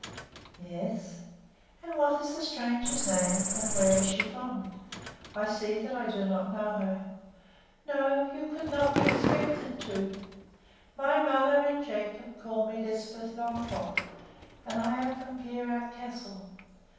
"Yes." "And what is the stranger's name, and where is she from? I see that I do not know her." "No, you could not be expected to. My mother and Jacob call me Lisbeth Longfrock, and I am from Peerout Castle.